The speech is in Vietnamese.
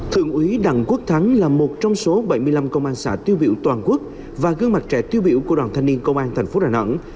thượng úy đặng quốc thắng là một trong số bảy mươi năm công an xã tiêu biểu toàn quốc và gương mặt trẻ tiêu biểu của đoàn thanh niên công an thành phố đà nẵng